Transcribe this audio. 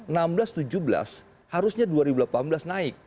nah enam belas tujuh belas harusnya dua ribu delapan belas naik